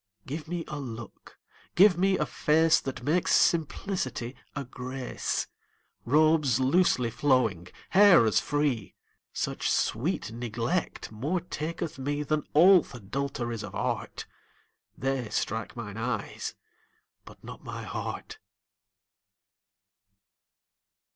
Give me a look, give me a face That makes simplicity a grace; Robes losely flowing, hair as free; Such sweet neglect more taketh me Than all th' adulteries of art. They strike mine eyes but not my heart.